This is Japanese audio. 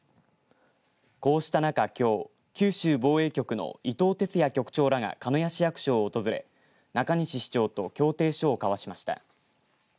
こうしたなか、きょう九州防衛局の伊藤哲也局長らが鹿屋市役所を訪れ中西市長と協定書を交わしました。